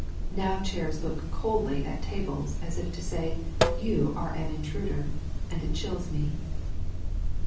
Now chairs look coldly at tables, as if to say, "You are an intruder!" And it chills me.